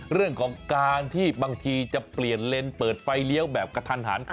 เรื่องของการที่บางทีจะเปลี่ยนเลนเปิดไฟเลี้ยวแบบกระทันหัน